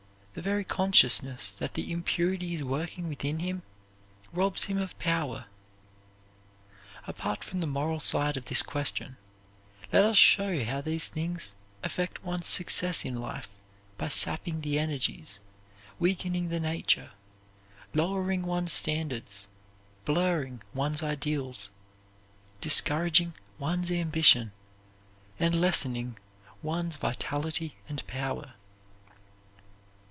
The very consciousness that the impurity is working within him robs him of power. Apart from the moral side of this question, let us show how these things affect one's success in life by sapping the energies, weakening the nature, lowering one's standards, blurring one's ideals, discouraging one's ambition, and lessening one's vitality and power.